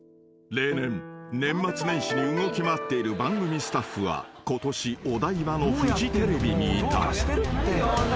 ［例年年末年始に動き回っている番組スタッフはことしお台場のフジテレビにいた］